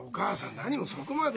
なにもそこまで。